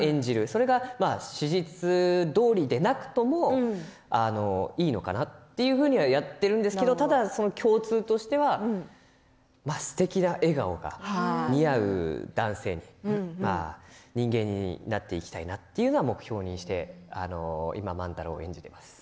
それが史実どおりでなくともいいのかなというふうにやってるんですけれどもただ、共通としてはすてきな笑顔が似合う男性に人間になっていきたいなっていうのは目標にして今、万太郎を演じています。